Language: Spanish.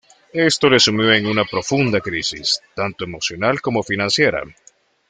Esto le sumió en una profunda crisis, tanto emocional como financiera.